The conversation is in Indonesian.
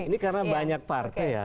ini karena banyak partai ya